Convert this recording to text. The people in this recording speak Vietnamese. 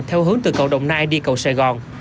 theo hướng từ cầu đồng nai đi cầu sài gòn